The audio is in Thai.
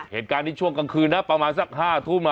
เหตุการณ์นี้ช่วงกลางคืนนะประมาณสัก๕ทุ่ม